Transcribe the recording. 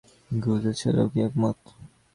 গুজের ছেলেও কি একমত?